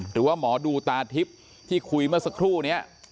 หรือว่าหมอดูตาทิพย์ที่คุยเมื่อสักครู่นี้